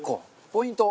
ポイント